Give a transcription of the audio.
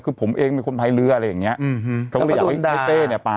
คือผมเองเป็นคนพายเรืออะไรอย่างเงี้ยอืมเขาก็เลยอยากให้พี่เต้เนี่ยไป